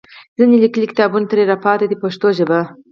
ځینې لیکلي کتابونه ترې راپاتې دي په پښتو ژبه.